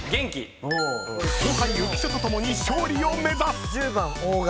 ［後輩浮所と共に勝利を目指す！］